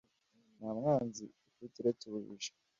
nta mwanzi ufite uretse ubujiji